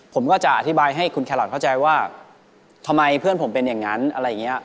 ผมก็จะอธิบายให้คุณแครอทเข้าใจว่าทำไมเพื่อนผมเป็นอย่างนั้นอะไรอย่างนี้